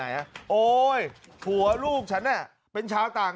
การนอนไม่จำเป็นต้องมีอะไรกัน